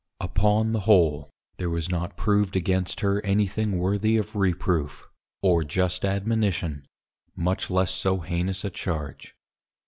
_ Upon the whole, there was not proved against her any thing worthy of Reproof, or just admonition, much less so heinous a Charge.